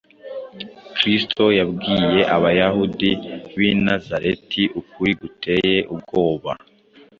Kristo yabwiye Abayahudi b’i Nazareti ukuri guteye ubwoba